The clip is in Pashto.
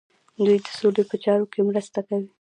دوی د سولې په چارو کې مرسته کوي.